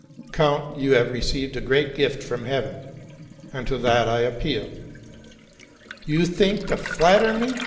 '' '*Count, you have received a great gift from heaven; and to that I appeal.'' '* You think to flatter me!